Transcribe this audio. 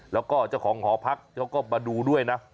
แล้วก็เจ้าของหอพักเขาก็มาดูด้วยนะ